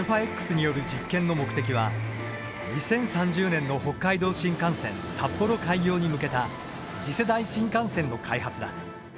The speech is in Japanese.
Ｘによる実験の目的は２０３０年の北海道新幹線・札幌開業に向けた次世代新幹線の開発だ。